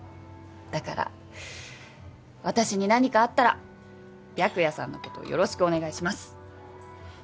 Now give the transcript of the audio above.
だから私に何かあったら白夜さんのことよろしくお願いします。